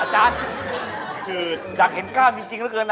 ดักเห็นกล้ามจริงแล้วเกิน